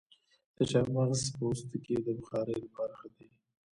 د چارمغز پوستکي د بخارۍ لپاره ښه دي؟